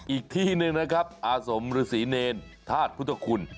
อีกที่หนึ่งนะครับอาสมฤษีเนรธาตุพุทธคุณ